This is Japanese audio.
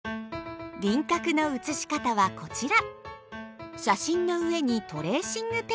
輪郭の写し方はこちら！